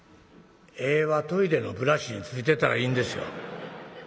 「柄はトイレのブラシについてたらいいんですよ。